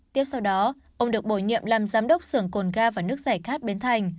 tiếp sau đó ông được bồi nhiệm làm giám đốc sưởng cồn ga và nước giải khát bến thành